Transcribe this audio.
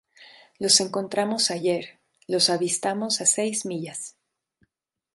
los encontramos ayer. los avistamos a seis millas.